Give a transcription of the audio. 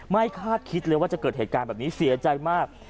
คาดคิดเลยว่าจะเกิดเหตุการณ์แบบนี้เสียใจมาก